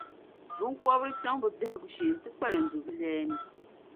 biŋkɔbiri chaŋ bɛ biɛhigu shee nti kpalim do bɛ lɛya ni.